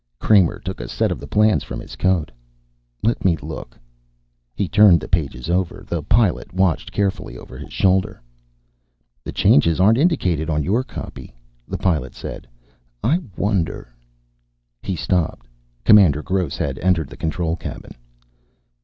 Kramer took a set of the plans from his coat. "Let me look." He turned the pages over. The Pilot watched carefully over his shoulder. "The changes aren't indicated on your copy," the Pilot said. "I wonder " He stopped. Commander Gross had entered the control cabin.